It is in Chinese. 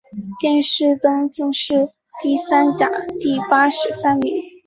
殿试登进士第三甲第八十三名。